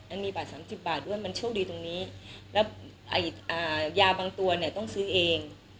มันมีบาท๓๐บาทด้วยมันโชคดีตรงนี้แล้วยาบางตัวเนี่ยต้องซื้อเอง